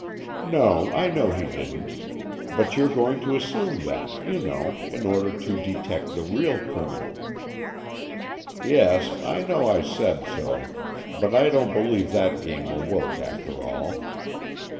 "No, I know he didn't. But you're going to assume that, you know, in order to detect the real criminal." "Yes, I know I said so; but I don't believe that game will work, after all."